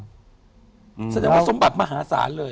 สัญญาว่าสมบัติมหาศาลเลย